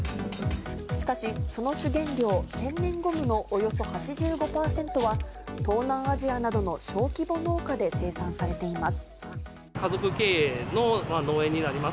しかし、その主原料・天然ゴムのおよそ８５％は東南アジアなどの小規模農家で生産されています。